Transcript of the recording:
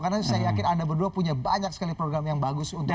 karena saya yakin anda berdua punya banyak sekali program yang bagus untuk masyarakat